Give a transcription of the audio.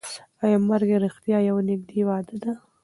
ایا مرګ رښتیا یوه نږدې وعده ده؟